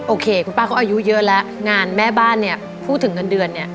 โอเคคุณป้าเขาอายุเยอะแล้วงานแม่บ้านเนี่ยพูดถึงเงินเดือนเนี่ย